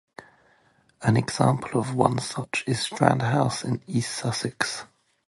An example of one such is Strand House in East Sussex.